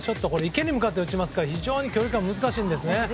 池に向かって打ちますから非常に距離感が難しいんですね。